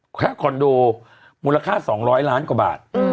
ค่าคอนโดมูลค่า๒๐๐ล้านกว่าบาท